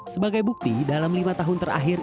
sebagai bukti dalam lima tahun terakhir